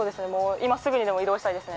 今すぐにでも移動したいですね。